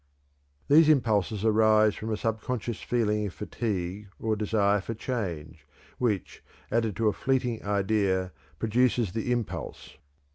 These impulses arise from a subconscious feeling of fatigue or desire for change, which, added to a fleeting idea, produces the impulse.